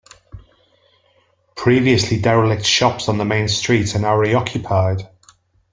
Previously derelict shops on the main street are now reoccupied.